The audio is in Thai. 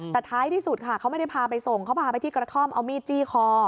แต่ท้ายที่สุดค่ะเขาไม่ได้พาไปส่งเขาพาไปที่กระท่อมเอามีดจี้คอ